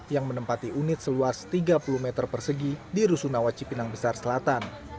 yang menempati unit seluas tiga puluh meter persegi di rusunawa cipinang besar selatan